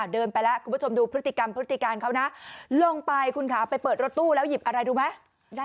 เดินไปแล้วคุณผู้ชมดูพฤติกรรมพฤติการเขานะลงไปคุณขาไปเปิดรถตู้แล้วหยิบอะไรดูไหม